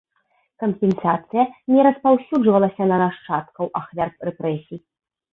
Кампенсацыя не распаўсюджвалася на нашчадкаў ахвяр рэпрэсій.